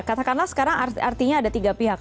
katakanlah sekarang artinya ada tiga pihak